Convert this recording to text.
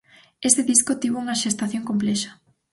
Ese disco tivo unha xestación complexa.